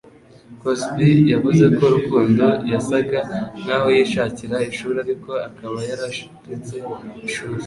Cosby yavuze ko Rukundo yasaga nkaho yishakira ishuri ariko akaba yararetse ishuri